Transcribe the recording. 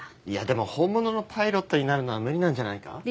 いやでも本物のパイロットになるのは無理なんじゃないか？